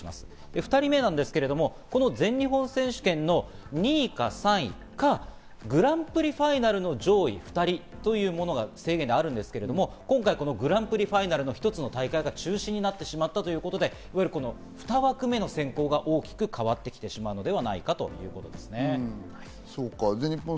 ２人目ですけれども、この全日本選手権の２位か３位か、グランプリファイナルの上位２人というものが制限であるんですけど、今回このグランプリファイナルの一つの大会が中止になってしまったので、２枠目の選考が大きく変わってきてしまうのではないかということですね。